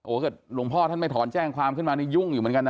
เกิดหลวงพ่อท่านไม่ถอนแจ้งความขึ้นมานี่ยุ่งอยู่เหมือนกันนะ